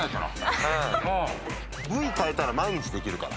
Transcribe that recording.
部位変えたら毎日できるから。